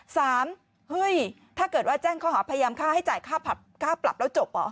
เฮ้ยถ้าเกิดว่าแจ้งข้อหาพยายามค่าให้จ่ายค่าปรับแล้วจบเหรอ